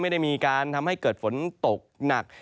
ไม่ได้มีการทำให้เกิดฝนตกหนัก